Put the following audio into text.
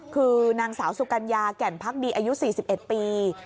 คือนางสาวสุกัญญาแก่นพักดีอายุ๔๑ปี